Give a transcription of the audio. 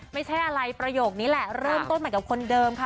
ไม่ใช่อะไรประโยคนี้แหละเริ่มต้นใหม่กับคนเดิมค่ะ